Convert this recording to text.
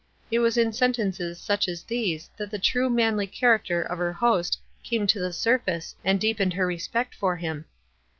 It was in sentences such as these that the true manly character of her host came to the surface and deepened her respect for him.